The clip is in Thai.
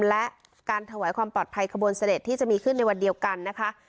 และการถวายความปลอดภัยขบวนเสด็จที่จะมีขึ้นในวันเดียวกันนะคะ